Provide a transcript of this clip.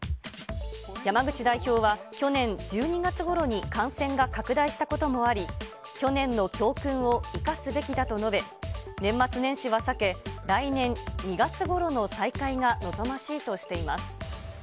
山口代表は、去年１２月ごろに感染が拡大したこともあり、去年の教訓を生かすべきだと述べ、年末年始は避け、来年２月ごろの再開が望ましいとしています。